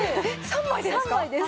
３枚でですか！？